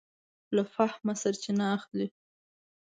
له فهمه سرچینه اخلي.